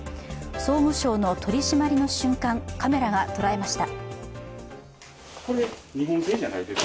総務省の取り締まりの瞬間、カメラが捉えました。